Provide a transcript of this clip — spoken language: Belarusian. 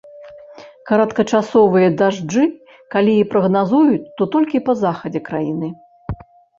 Кароткачасовыя дажджы калі і прагназуюць, то толькі па захадзе краіны.